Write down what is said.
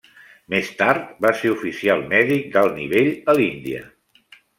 Més tars va ser oficial mèdic d'alt nivell a l'Índia.